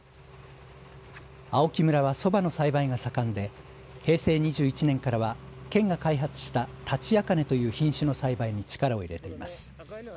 青木村は、そばの栽培が盛んで平成２１年からは県が開発したタチアカネという品種の栽培に力を入れています。